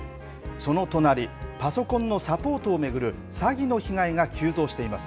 その隣、パソコンのサポートを巡る詐欺の被害が急増しています。